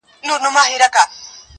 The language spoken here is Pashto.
پر ورکه لار ملګري سول روان څه به کوو؟؛